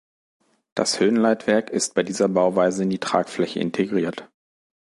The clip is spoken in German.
Das Höhenleitwerk ist bei dieser Bauweise in die Tragfläche integriert.